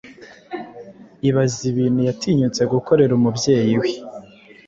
Ibaze ibintu yatinyutse gukorera umubyeyi we